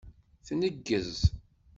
Tneggez.